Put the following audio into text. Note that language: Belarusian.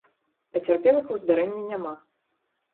Пацярпелых у здарэнні няма.